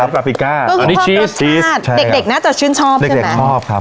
กาฟิก้าอันนี้ชีสซีสเด็กเด็กน่าจะชื่นชอบใช่ไหมชอบครับ